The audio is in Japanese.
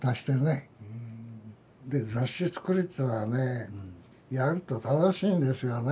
で雑誌作りっていうのはねやると楽しいんですよね。